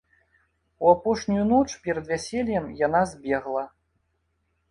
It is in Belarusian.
У апошнюю ноч перад вяселлем яна збегла.